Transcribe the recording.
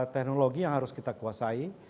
teknologi yang harus kita kuasai